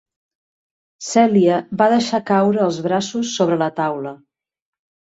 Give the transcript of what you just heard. Cèlia va deixar caure els braços sobre la taula.